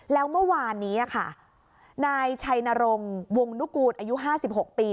แล้วเมื่อวานนี้อ่ะค่ะนายชัยนรงค์วงนุกูตอายุห้าสิบหกปี